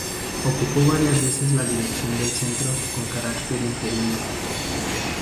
Ocupó varias veces la dirección del centro con carácter interino.